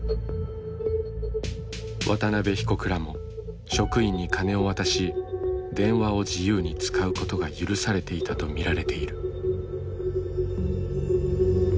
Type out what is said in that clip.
渡邉被告らも職員にカネを渡し電話を自由に使うことが許されていたと見られている。